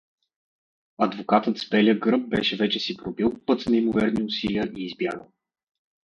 Адвокатът с белия гръб беше вече си пробил път с неимоверни усилия и избягал.